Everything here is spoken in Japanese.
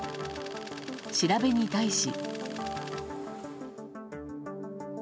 調べに対し。